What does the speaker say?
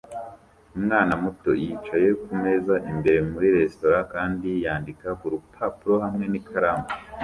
Umwana muto yicaye kumeza imbere muri resitora kandi yandika kurupapuro hamwe n'ikaramu